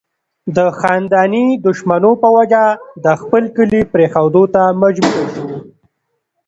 د خانداني دشمنو پۀ وجه د خپل کلي پريښودو ته مجبوره شو